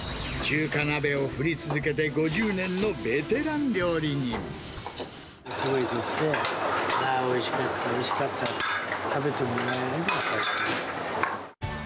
中華鍋を振り続けて５０年のベテお客様にとって、おいしかった、おいしかったと食べてもらえれば最高です。